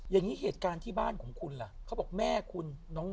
อย่างนี้เหตุการณ์ที่บ้านของคุณล่ะเขาบอกแม่คุณน้อง